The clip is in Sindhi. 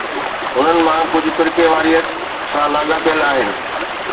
انهن مان ڪجهه فرقيواريت سان لاڳاپيل آهن.